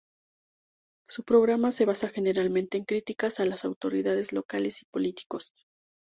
Su programa se basa generalmente en críticas a las autoridades locales y políticos.